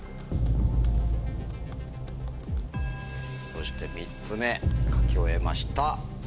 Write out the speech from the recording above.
そして３つ目書き終えました。